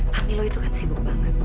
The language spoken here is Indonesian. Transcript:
pamilo itu kan sibuk banget